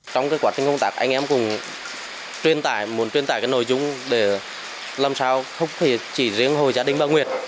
trong quá trình công tác anh em cũng muốn truyền tải nội dung để làm sao không chỉ riêng hồ gia đình bà nguyệt